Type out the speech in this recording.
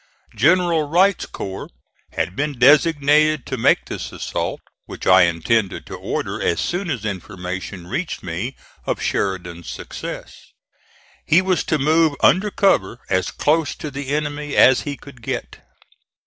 General Wright's corps had been designated to make this assault, which I intended to order as soon as information reached me of Sheridan's success. He was to move under cover as close to the enemy as he could get.